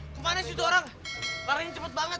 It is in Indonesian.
kemana situ orang barang ini cepet banget